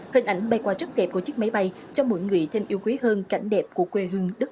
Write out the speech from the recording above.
hình ảnh bay qua rất đẹp của chiếc máy bay cho mỗi người thêm yêu quý hơn cảnh đẹp của quê hương đất